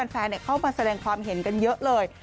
แฟนเข้ามาแสดงความเห็นกันเยอะเลย